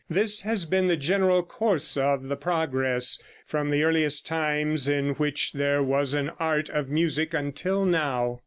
This has been the general course of the progress, from the earliest times in which there was an art of music until now.